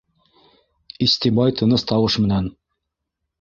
Истебай тыныс тауыш менән: